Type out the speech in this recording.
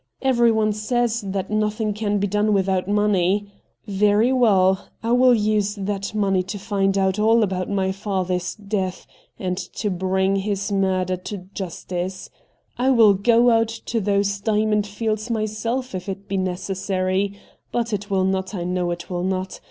Everyone says that nothing can be done without money. Very well, I will use that money to find out all about my father's death and to bring his murderer to justice. I will go out to those diamond fields myself if it be necessary — but it will not, I know it will not.